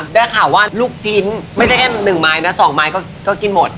ได้ข่าวว่าลูกชิ้นไม่ใช่แค่๑ไม้นะ๒ไม้ก็กินหมด